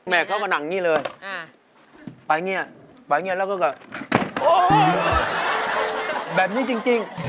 แม่เขาก็หนังนี้เลยไปอย่างนี้ไปอย่างนี้แล้วก็แบบนี้จริง